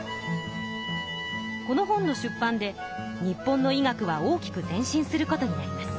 この本の出版で日本の医学は大きく前進することになります。